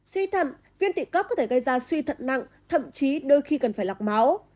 suy thận viên tụy cấp có thể gây ra suy thận nặng thậm chí đôi khi cần phải lọc máu